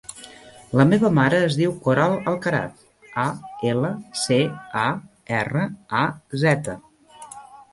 La meva mare es diu Coral Alcaraz: a, ela, ce, a, erra, a, zeta.